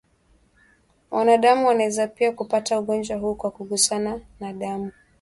Wanadamu wanaweza pia kupata ugonjwa huu kwa kugusana na damu